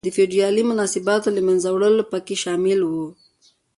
د فیوډالي مناسباتو له منځه وړل پکې شامل و.